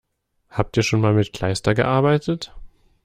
Habt ihr schon mal mit Kleister gearbeitet?